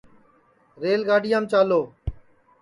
ریل گاڈِؔیام چالو